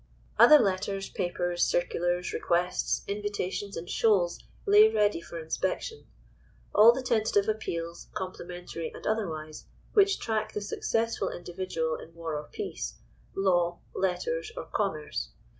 Other letters, papers, circulars, requests, invitations in shoals lay ready for inspection. All the tentative appeals, complimentary and otherwise, which track the successful individual in war or peace, law, letters, or commerce.